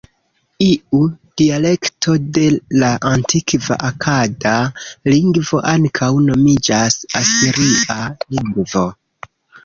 Iu dialekto de la antikva akada lingvo ankaŭ nomiĝas Asiria lingvo.